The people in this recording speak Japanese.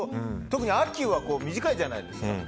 特に、秋は短いじゃないですか。